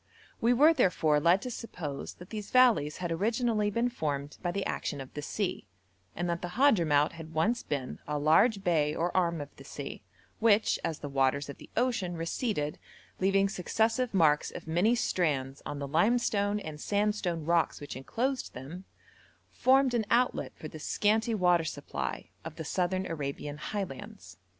We were, therefore, led to suppose that these valleys had originally been formed by the action of the sea, and that the Hadhramout had once been a large bay or arm of the sea, which, as the waters of the ocean receded, leaving successive marks of many strands on the limestone and sandstone rocks which enclosed them, formed an outlet for the scanty water supply of the Southern Arabian highlands.